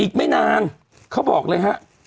อีกไม่นานเขาบอกเลยฮะ